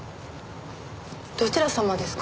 どちら様ですか？